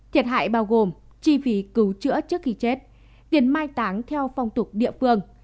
thiệt hại bao gồm chi phí cứu chữa trước khi chết tiền mai táng theo phong tục địa phương